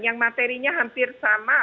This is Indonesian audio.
yang materinya hampir sama